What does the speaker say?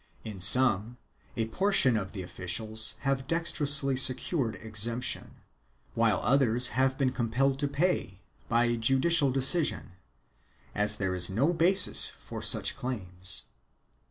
In some, a portion of the officials have dexterously secured exemption, while others have been compelled to pay, by judicial decision, as there is no basis for such claims.